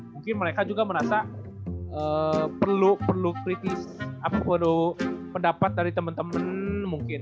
mungkin mereka juga merasa perlu kritis aku perlu pendapat dari teman teman mungkin